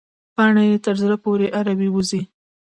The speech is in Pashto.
باڼه يې تر زړه پورې اورې وزي.